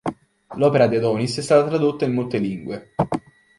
L'opera di Adonis è stata tradotta in molte lingue.